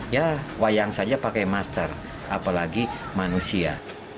ya wayang saja pakai masker apalagi manusia